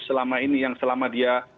selama ini yang selama dia